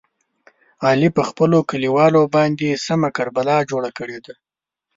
علي په خپلو کلیوالو باندې سمه کربلا جوړه کړې ده.